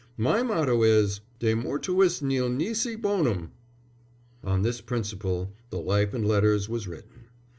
"My motto is: De mortuis nil nisi bonum." On this principle the Life and Letters was written.